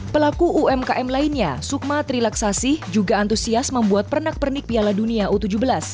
pelaku umkm lainnya sukma trilaksasi juga antusias membuat pernak pernik piala dunia u tujuh belas